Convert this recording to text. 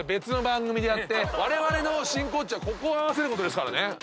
われわれの真骨頂はここを合わせることですからね。